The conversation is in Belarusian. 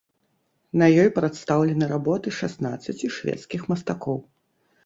На ёй прадстаўлены работы шаснаццаці шведскіх мастакоў.